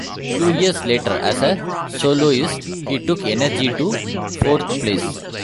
Two years later, as a soloist, he took "Energy" to fourth place.